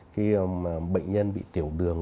khi mà bệnh nhân bị tiểu đường